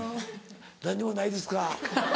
何にもないですか。